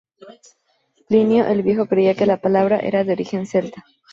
Plinio el Viejo creía que la palabra era de origen celta.